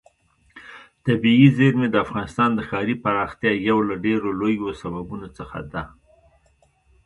طبیعي زیرمې د افغانستان د ښاري پراختیا یو له ډېرو لویو سببونو څخه ده.